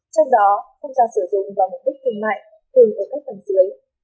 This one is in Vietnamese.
trong đó không ra sử dụng vào mục đích kinh mạnh thường ở các phần dưới